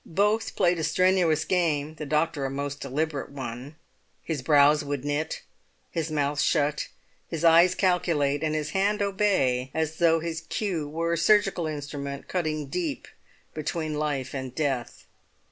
Both played a strenuous game, the doctor a most deliberate one; his brows would knit, his mouth shut, his eyes calculate, and his hand obey, as though his cue were a surgical instrument cutting deep between life and death.